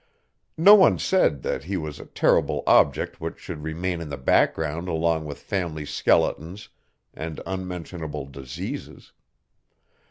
No one said that he was a terrible object which should remain in the background along with family skeletons and unmentionable diseases.